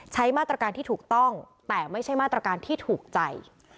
ใช้มาตรการที่ถูกต้องแต่ไม่ใช่มาตรการที่ถูกใจ